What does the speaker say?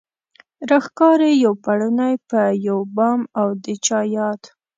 راښکاري يو پړونی په يو بام او د چا ياد